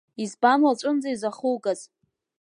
Избан уаҵәынӡа изахугаз?